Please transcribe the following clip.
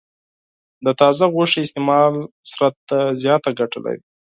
د تازه غوښې استعمال بدن ته زیاته ګټه لري.